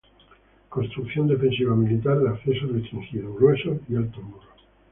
Construcción defensiva militar de acceso restringido, gruesos y altos muros.